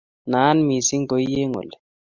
Naat missing' koi eng' oli